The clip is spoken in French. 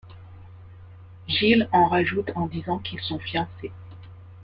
Gil en rajoute en disant qu'ils sont fiancés.